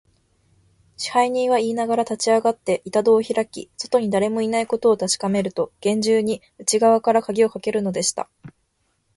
支配人はいいながら、立ちあがって、板戸をひらき、外にだれもいないことをたしかめると、げんじゅうに内がわからかぎをかけるのでした。